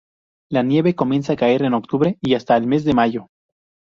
La nieve comienza a caer en octubre y hasta el mes de mayo.